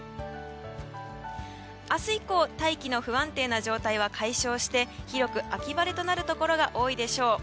明日以降、大気の不安定な状態は解消して広く秋晴れとなるところが多いでしょう。